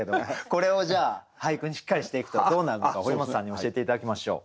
これをじゃあ俳句にしっかりしていくとどうなるのか堀本さんに教えて頂きましょう。